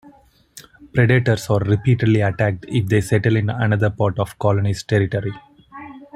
Predators are repeatedly attacked if they settle in another part of the colony's territory.